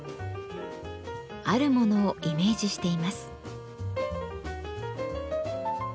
あるものをイメージしています。